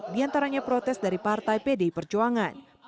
di antaranya protes dari partai pdi perjuangan